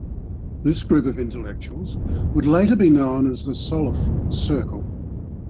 This group of intellectuals would later be known as the Solf Circle.